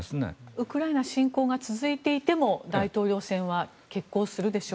ウクライナ侵攻が続いていても大統領選は決行するでしょうか。